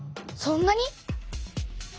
そんなに？